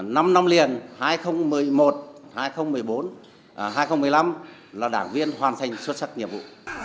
năm năm liền hai nghìn một mươi một hai nghìn một mươi bốn hai nghìn một mươi năm là đảng viên hoàn thành xuất sắc nhiệm vụ